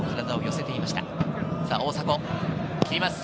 大迫、切ります。